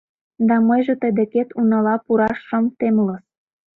Да мыйже тый декет унала пураш шым темлыс!